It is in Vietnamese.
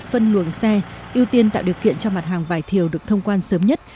phân luồng xe ưu tiên tạo điều kiện cho mặt hàng vải thiều được thông quan sớm nhất